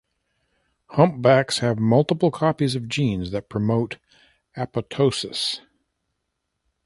Humpbacks have multiple copies of genes that promote apoptosis.